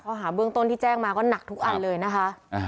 หาเบื้องต้นที่แจ้งมาก็หนักทุกอันเลยนะคะ